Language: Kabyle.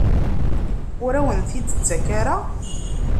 Ur awen-t-id-tettak ara?